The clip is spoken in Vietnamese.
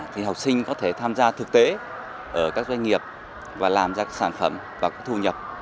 thì học sinh có thể tham gia thực tế ở các doanh nghiệp và làm ra sản phẩm và có thu nhập